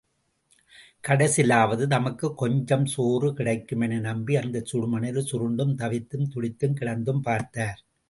கடைசிலாவது தமக்குக் கொஞ்சம் சோறு கிடைக்கும் என நம்பி அந்தச் சுடுமணலிற் சுருண்டும், தவித்தும், துடித்தும், கிடந்தும், பார்த்தார்.